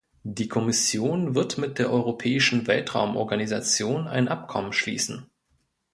Die Kommission wird mit der Europäischen Weltraumorganisation ein Abkommen schließen.